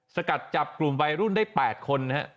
สกัดจับกลุ่มวัยรุ่นได้๘คนนะฮะ